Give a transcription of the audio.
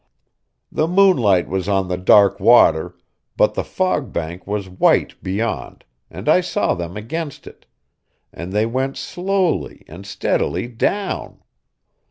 The moonlight was on the dark water, but the fog bank was white beyond, and I saw them against it; and they went slowly and steadily down.